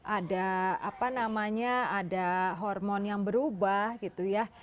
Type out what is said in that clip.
ada apa namanya ada hormon yang berubah